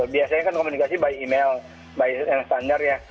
biasanya kan komunikasi by email by and standar ya